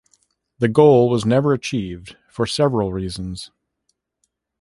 This goal was never achieved for several reasons.